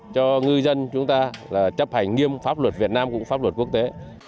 cho ngư dân chúng ta là chấp hành nghiêm pháp luật việt nam cũng pháp luật quốc tế